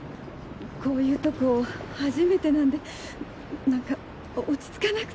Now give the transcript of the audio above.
こういうとこ初めてなんで何か落ち着かなくて。